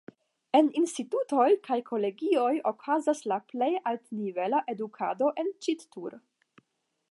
En institutoj kaj kolegioj okazas la plej altnivela edukado en Ĉittur.